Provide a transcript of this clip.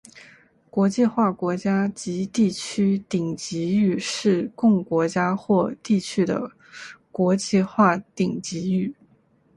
国际化国家及地区顶级域是供国家或地区的国际化顶级域。